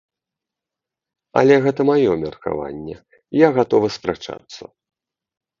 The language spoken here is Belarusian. Але гэта маё меркаванне, я гатовы спрачацца.